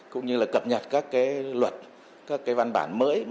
cũng như cập nhật các luật các văn bản mới